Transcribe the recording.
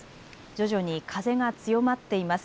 徐々に風が強まっています。